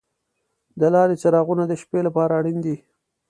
د لارې څراغونه د شپې لپاره اړین دي.